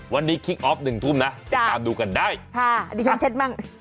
วันนี้คลิกออฟ๑ทุ่มนะตามดูกันได้จ้ะจ้ะอันนี้ฉันเช็ดมั่ง